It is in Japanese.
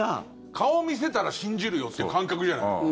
顔見せたら信じるよって感覚じゃない。